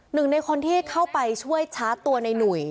หนึ่งในคนที่เข้าไปช่วยชาร์จตัวในหนุ่ย